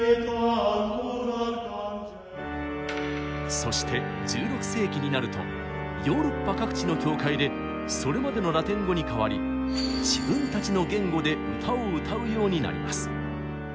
そして１６世紀になるとヨーロッパ各地の教会でそれまでのラテン語に代わり自分たちの言語で歌を歌うようになります。